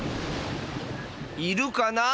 いるかなあ？